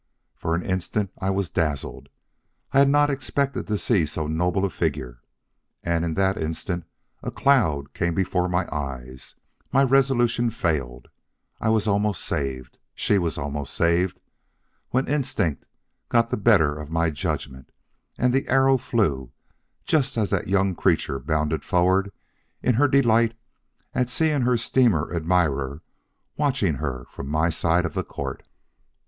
For an instant I was dazzled. I had not expected to see so noble a figure; and in that instant a cloud came before my eyes, my resolution failed, I was almost saved she was almost saved when instinct got the better of my judgment, and the arrow flew just as that young creature bounded forward in her delight at seeing her steamer admirer watching her from my side of the court.